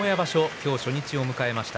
今日初日を迎えました。